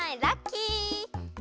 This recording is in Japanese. ラッキー！